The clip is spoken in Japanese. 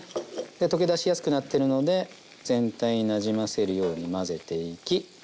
溶け出しやすくなってるので全体になじませるように混ぜていき。